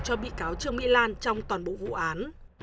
cho bị cáo trương mỹ lan trong toàn bộ vụ án